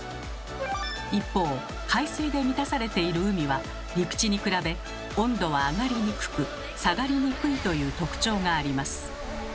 一方海水で満たされている海は陸地に比べ温度は上がりにくく下がりにくいという特徴があります。